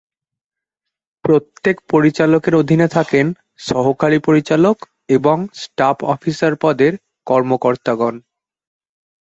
প্রত্যেক পরিচালকের অধিনে থাকেন সহকারী পরিচালক এবং স্টাফ অফিসার পদের কর্মকর্তাগণ।